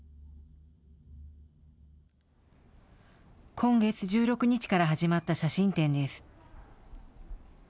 今月１６日から始まった写真展です。